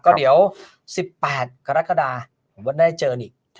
ก็เดี๋ยว๑๘กรกฎาเหมือนว่าได้เจออีก